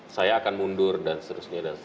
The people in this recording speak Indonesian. saya akan mundur dan seterusnya